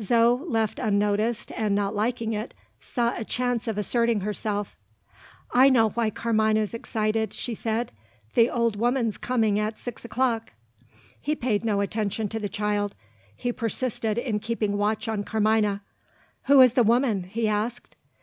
Zo, left unnoticed and not liking it, saw a chance of asserting herself. "I know why Carmina's excited," she said. "The old woman's coming at six o'clock." He paid no attention to the child; he persisted in keeping watch on Carmina. "Who is the woman?" he asked.